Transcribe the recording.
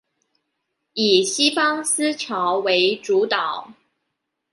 以西方思潮為主導